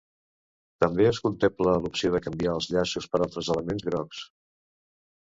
També es contempla l'opció de canviar els llaços per altres elements grocs.